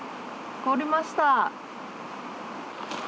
凍りました。